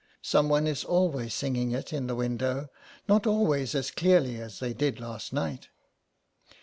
Someone is always singing it in the window, not always as clearly as they did last night.